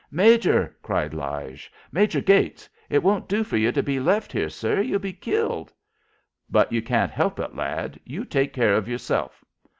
"Major!" cried Lige. "Major Gates! It won't do for ye to be left here, sir. Ye'll be killed." "But you can't help it, lad. You take care of yourself."